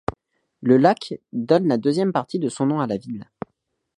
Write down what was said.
Le lac donne la deuxième partie de son nom à la ville.